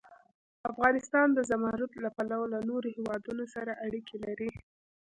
افغانستان د زمرد له پلوه له نورو هېوادونو سره اړیکې لري.